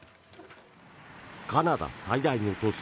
カナダ最大の都市